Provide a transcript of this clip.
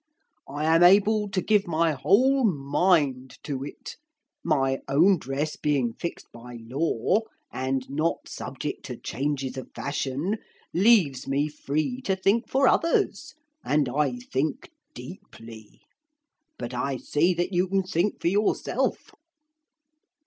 I am able to give my whole mind to it; my own dress being fixed by law and not subject to changes of fashion leaves me free to think for others. And I think deeply. But I see that you can think for yourself.'